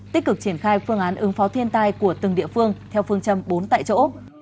tích cực triển khai phương án ứng phó thiên tai của từng địa phương theo phương châm bốn tại chỗ